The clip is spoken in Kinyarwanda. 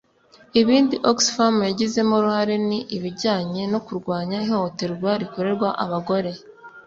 Ibindi Oxfam yagizemo uruhare ni ibijyanye no kurwanya ihohoterwa rikorerwa abagore